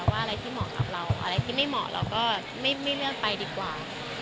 ว่าอะไรที่เหมาะกับเราอะไรที่ไม่เหมาะเราก็ไม่เลือกไปดีกว่า